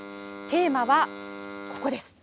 テーマはここです。